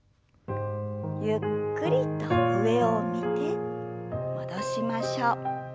ゆっくりと上を見て戻しましょう。